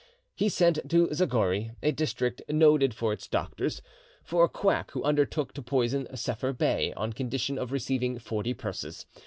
He sent to Zagori, a district noted for its doctors, for a quack who undertook to poison Sepher Bey on condition of receiving forty purses.